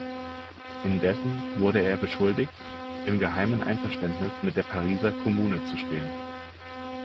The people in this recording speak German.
Indessen wurde er beschuldigt, im geheimen Einverständnis mit der Pariser Kommune zu stehen.